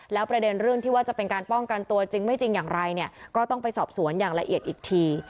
แล้วประเด็นเรื่องที่ว่าจะเป็นการป้องกันตัวจริงไม่จริงอย่างไรเนี่ยก็ต้องไปสอบสวนอย่างละเอียดอีกที